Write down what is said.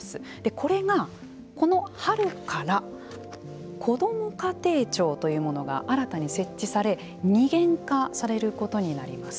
これがこの春からこども家庭庁というものが新たに設置され二元化されることになります。